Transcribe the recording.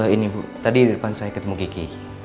ini bu tadi di depan saya ketemu gigi